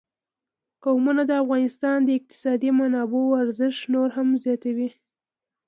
قومونه د افغانستان د اقتصادي منابعو ارزښت نور هم زیاتوي.